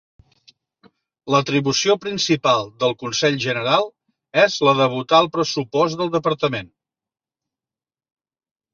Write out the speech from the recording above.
L'atribució principal del Consell General és la de votar el pressupost del departament.